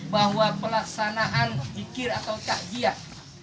bahwa pelaksanaan zikir atau takjiah